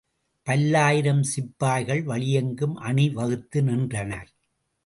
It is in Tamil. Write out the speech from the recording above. பல்லாயிரம் சிப்பாய்கள் வழியெங்கும் அணிவகுத்து நின்றனர்.